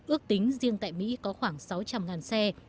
ước tính riêng tại mỹ có khoảng sáu trăm linh xe